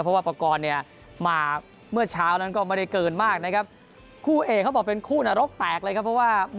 เพราะว่าประกอบเนี่ยมาเมื่อเช้านั้นก็ไม่ได้เกินมากนะครับ